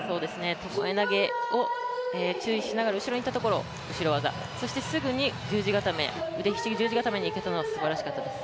ともえ投げを注意しながら後ろにいったところに後ろ技、すぐに腕ひしぎ十字固めにいけたのはすごかったです。